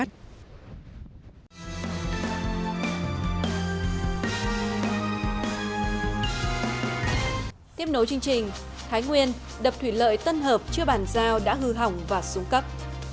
tiếp nối chương trình thái nguyên đập thủy lợi tân hợp chưa bàn giao đã hư hỏng và xuống cấp